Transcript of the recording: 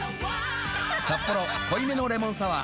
「サッポロ濃いめのレモンサワー」